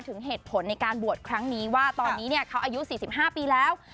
ถึงเหตุผลในการบวชครั้งนี้ว่าตอนนี้เขาอายุ๔๕ปีแล้ว